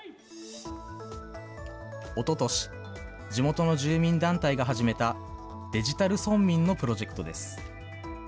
おととし、地元の住民団体が始めた、デジタル村民のプロジェクトです。